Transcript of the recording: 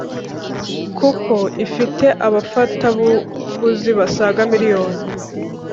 kuko ifite abafatabuguzi basaga miliyoni